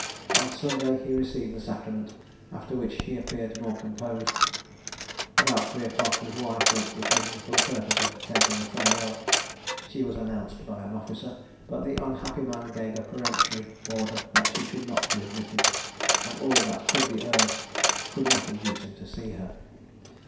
On Sunday he received the sacrament, after which he appeared more composed. About three o'clock his wife went to the prison for the purpose of taking a farewell: she was announced by an officer; but the unhappy man gave a peremptory order that she should not be admitted, and all that could be urged could not induce him to see her.